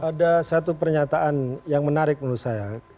ada satu pernyataan yang menarik menurut saya